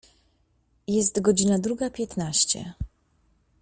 Jest godzina druga piętnaście.